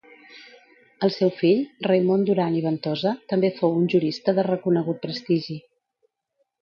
El seu fill, Raimon Duran i Ventosa, també fou un jurista de reconegut prestigi.